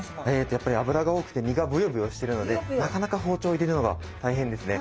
やっぱり脂が多くて身がブヨブヨしてるのでなかなか包丁入れるのが大変ですね。